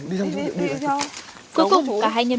dường như đã phát huy tác dụng